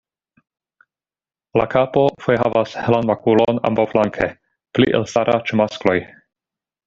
La kapo foje havas helan makulon ambaŭflanke, pli elstara ĉe maskloj.